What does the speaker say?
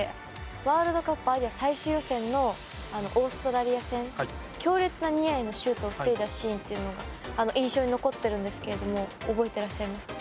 ワールドカップアジア最終予選のオーストラリア戦強烈なニアへのシュートを防いだシーンというのが印象に残っているんですけれども覚えていらっしゃいますか？